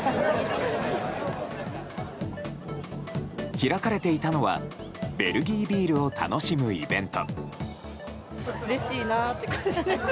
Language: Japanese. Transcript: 開かれていたのはベルギービールを楽しむイベント。